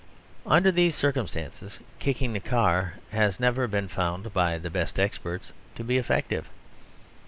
Under these circumstances kicking the car has never been found by the best experts to be effective.